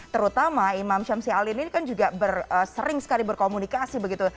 terutama imam syamsi ali ini kan juga sering sekali berkomunikasi begitu